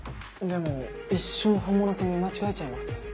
でも一瞬本物と見間違えちゃいますね。